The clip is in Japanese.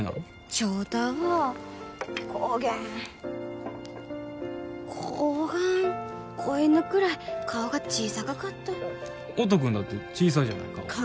翔太はこげんこがん子犬くらい顔が小さかかった音くんだって小さいじゃない顔